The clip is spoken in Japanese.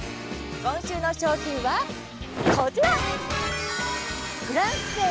今週の商品はこちら！